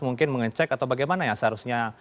mungkin mengecek atau bagaimana yang seharusnya